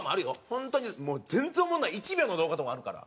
本当にもう全然おもんない１秒の動画とかもあるから。